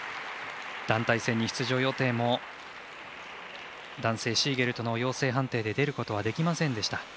団体戦に出場予定も男性シーゲルトの陽性判定で出ることはできませんでした。